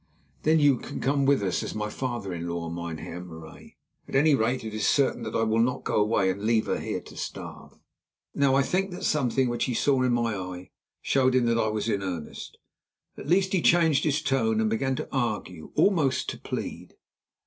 "Then you can come with us as my father in law, Mynheer Marais. At any rate, it is certain that I will not go away and leave her here to starve." Now I think that something which he saw in my eye showed him that I was in earnest. At least, he changed his tone and began to argue, almost to plead.